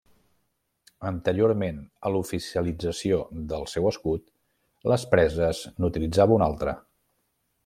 Anteriorment a l'oficialització del seu escut, les Preses n'utilitzava un altre.